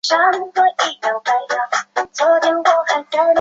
短芒纤毛草为禾本科鹅观草属下的一个变种。